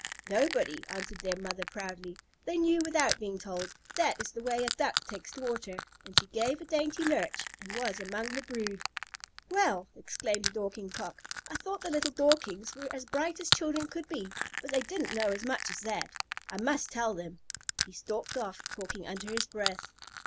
"Nobody," answered their mother proudly. "They knew without being told. That is the way a Duck takes to water." And she gave a dainty lurch and was among her brood. [Illustration: THEY HAD A GOOD SWIM.] "Well!" exclaimed the Dorking Cock. "I thought the little Dorkings were as bright as children could be, but they didn't know as much as that. I must tell them." He stalked off, talking under his breath.